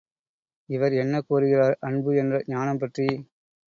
இவர் என்ன கூறுகிறார் அன்பு என்ற ஞானம் பற்றி?